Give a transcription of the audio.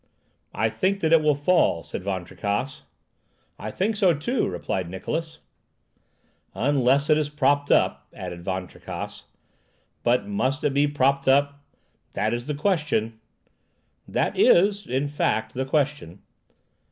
"I think that it will fall," said Van Tricasse. "I think so too," replied Niklausse. "Unless it is propped up," added Van Tricasse. "But must it be propped up? That is the question." "That is—in fact—the question."